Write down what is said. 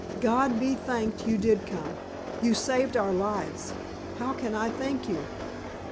"God be thanked you did come. You saved our lives. How can I thank you?"